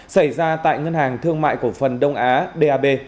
xảy ra tại ngân hàng thương mại của phần đông á